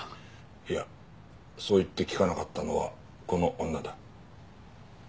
いやそう言って聞かなかったのはこの女だ。